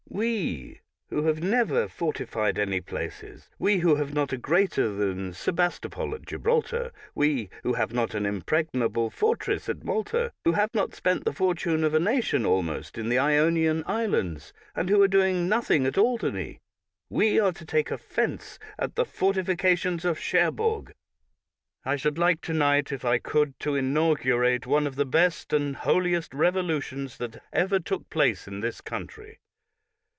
We, who never fortified any places ; we, who have not a greater than Sebastopol at Gibraltar; we who have not an impregnable fortress at Malta, who have not spent the fortune of a nation almost in the Ionian Islands, and who are doing nothing at Alderney — we are to take offense at the forti fications of Cherbourg! I should like to night, if I could, to inaugurate one of the best and holiest revolutions that ever took place in this country.